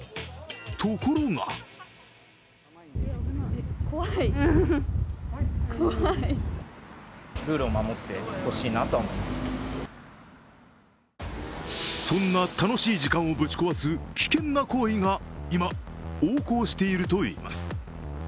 ところがそんな楽しい時間をぶち壊す危険な行為が今、横行しているといいます。